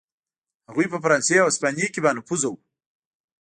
هغوی په فرانسې او هسپانیې کې بانفوذه و.